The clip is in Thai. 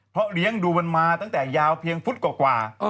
เพราะเลี้ยงดูมันมาตั้งแต่ยาวเพียงฟุตกว่า